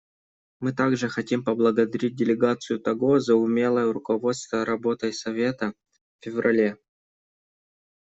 Мы также хотим поблагодарить делегацию Того за умелое руководство работой Совета в феврале.